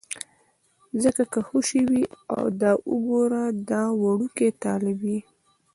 ځکه که خوشې وي، دا وګوره دا وړوکی طالب یې.